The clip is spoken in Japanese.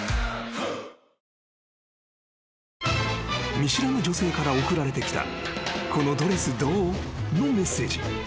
［見知らぬ女性から送られてきた「このドレスどう？」のメッセージ］